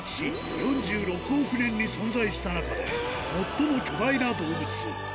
４６億年に存在した中で、最も巨大な動物。